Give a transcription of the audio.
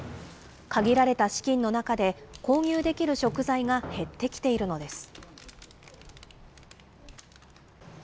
限られた資金の中で、購入できる食材が減ってきているのです。